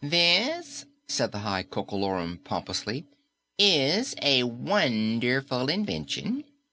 "This," said the High Coco Lorum pompously, "is a wonderful invention.